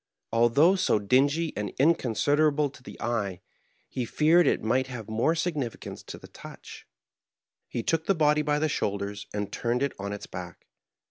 Although so dingy and inconsiderable to the eye, he ' feared it might have more significance to the touch. He took the body by the shoulders and turned it on its back.